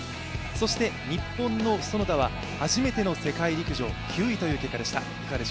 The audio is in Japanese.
そして日本の園田は初めての世界陸上９位という結果でした。